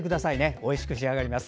おいしく仕上がります。